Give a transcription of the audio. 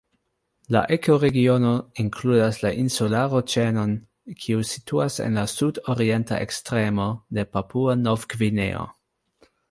La ekoregiono inkludas insularo-ĉenon kiu situas en la sudorienta ekstremo de Papuo-Novgvineo.